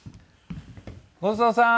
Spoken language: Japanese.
ごちそうさん。